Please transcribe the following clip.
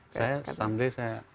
saya sepeda g saya